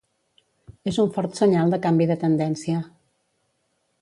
És un fort senyal de canvi de tendència.